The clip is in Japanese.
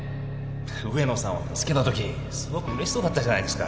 上野さんを助けた時すごく嬉しそうだったじゃないですか